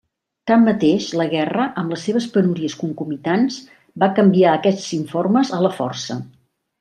Tanmateix, la guerra, amb les seves penúries concomitants, va canviar aquests informes a la força.